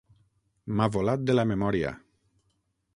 M'ha volat de la memòria.